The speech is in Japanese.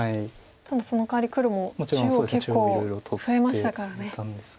ただそのかわり黒も中央結構増えましたからね。